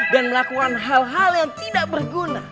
dan melakukan hal hal yang tidak berguna